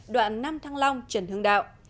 đoạn năm thăng long trần hương đạo